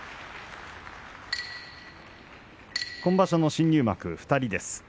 今場所の新入幕、２人です。